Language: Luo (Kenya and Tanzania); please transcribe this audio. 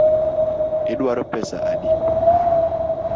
Iduaro pesa adi?